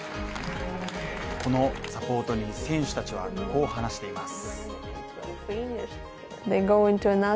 このサポートに選手たちはこう話しています。